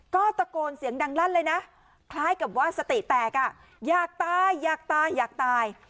ก็ตะโกนเสียงดังลั่นเลยนะคล้ายกับว่าสติแตกอ่ะอยากตายอยากตายอยากตาย